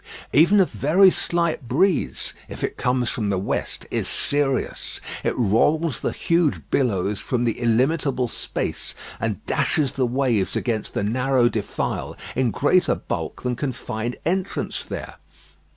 Even a very slight breeze, if it comes from the west, is serious. It rolls the huge billows from the illimitable space and dashes the waves against the narrow defile in greater bulk than can find entrance there.